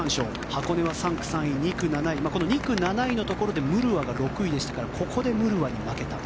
箱根は３区３位、２区７位２区７位のところでムルワが６位でしたからここでムルワに負けた。